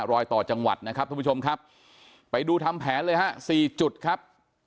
รอยต่อจังหวัดนะครับทุกผู้ชมครับไปดูทำแผนเลยฮะสี่จุดครับ